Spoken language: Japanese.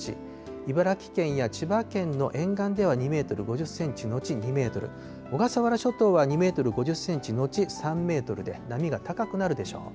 茨城県や千葉県の沿岸では２メートル５０センチ後２メートル、小笠原諸島は２メートル５０センチ後３メートルで、波が高くなるでしょう。